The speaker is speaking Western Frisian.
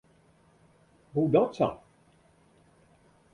Hoedatsa?